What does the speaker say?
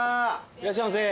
いらっしゃいませ。